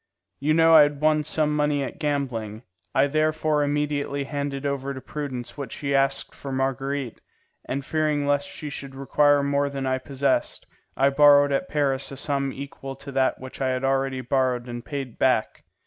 You know I had won some money at gambling; I therefore immediately handed over to Prudence what she asked for Marguerite, and fearing lest she should require more than I possessed, I borrowed at Paris a sum equal to that which I had already borrowed and paid back.